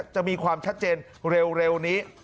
จะมีความชัดเจนเร็วนี้